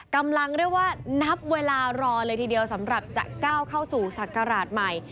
กำลังเรียกว่านับเวลารอเลยทีเดียวสำหรับจะก้าวเข้าสู่ศักราชใหม่